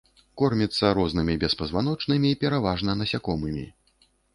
Корміцца рознымі беспазваночнымі, пераважна насякомымі.